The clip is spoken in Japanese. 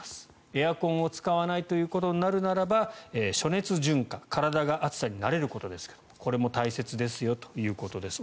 エアコンを使わないということになるならば暑熱順化体が暑さに慣れることですがこれも大切ですということです。